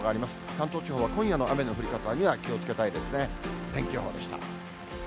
関東地方は今夜の雨の降り方には気をつけたいですね。